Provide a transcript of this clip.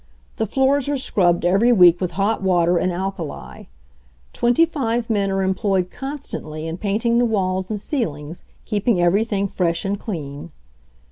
The floors are scrubbed every week with hot water and alkali. Twenty five men are employed constantly in painting the walls and ceilings, keeping everything fresh and clean.